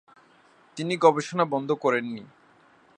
তিনি গবেষণা বন্ধ করেন নি।